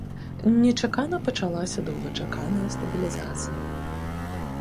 Нечакана пачалася доўгачаканая стабілізацыя.